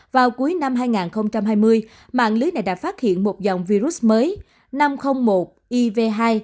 vào cuối năm hai nghìn hai mươi mạng lưới này đã phát hiện một dòng virus mới năm trăm linh một iv hai